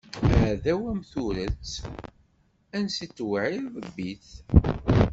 Aɛdaw am turet, ansi tewɛiḍ bbi-t.